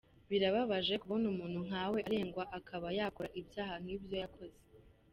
Birababaje kubona umuntu nkawe arengwa akaba yakora ibyaha nk’ibyo yakoze.